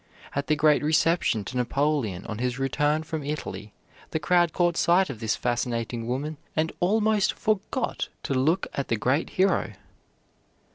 At the great reception to Napoleon on his return from Italy, the crowd caught sight of this fascinating woman and almost forgot to look at the great hero.